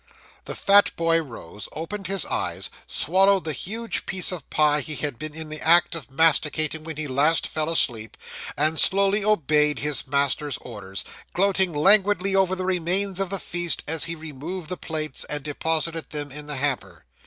The fat boy rose, opened his eyes, swallowed the huge piece of pie he had been in the act of masticating when he last fell asleep, and slowly obeyed his master's orders gloating languidly over the remains of the feast, as he removed the plates, and deposited them in the hamper.